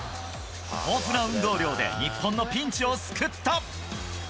豊富な運動量で、日本のピンチを救った。